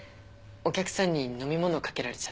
お客さんに飲み物かけられちゃって。